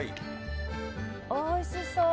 おいしそう！